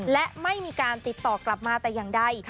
และไม่มีการติดต่อกลับมาแต่อย่างใด